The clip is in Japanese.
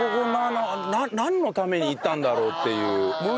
なんのために行ったんだろうっていう。